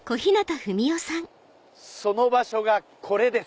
その場所がこれです。